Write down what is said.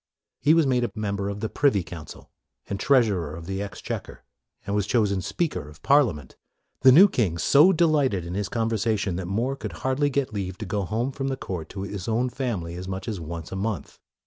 He was made a member of the Privy Council, and Treasurer of the Exchequer, and was chosen Speaker of Parliament. The new king so delighted in his conversation that More could hardly get leave to go home from the court to 34 MORE his own family as much as once a month.